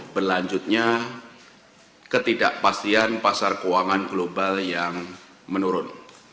berlanjutnya ketidakpastian pasar keuangan global yang menurun